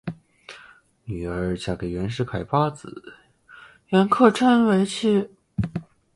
女儿嫁给袁世凯八子袁克轸为妻。